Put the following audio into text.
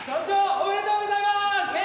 おめでとうございます！